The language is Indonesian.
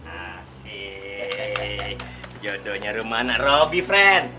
asik jodohnya rum anak robi friend